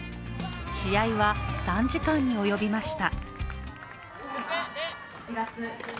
試合は３時間におよびました。